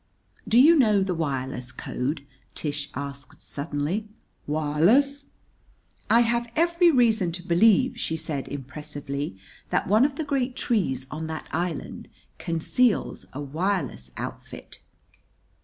"Do you know the wireless code?" Tish asked suddenly. "Wireless?" "I have every reason to believe," she said impressively, "that one of the great trees on that island conceals a wireless outfit."